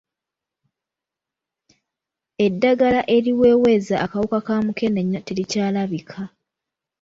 Eddagala eriweweeza akawuka kamukennya terikyalabika.